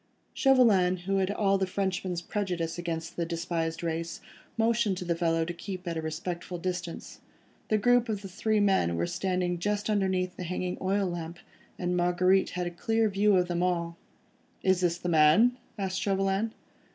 Chauvelin, who had all the Frenchman's prejudice against the despised race, motioned to the fellow to keep at a respectful distance. The group of the three men were standing just underneath the hanging oil lamp, and Marguerite had a clear view of them all. "Is this the man?" asked Chauvelin.